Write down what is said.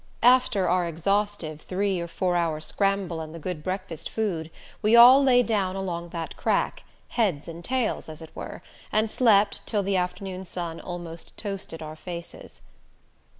After our exhaustive three or four hour scramble and the good breakfast food, we all lay down along that crack heads and tails, as it were and slept till the afternoon sun almost toasted our faces.